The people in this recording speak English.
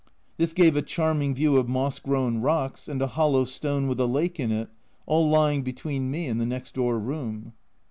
This gave a charming view of moss grown rocks, and a hollow stone with a lake in it, all lying between me and the next door room.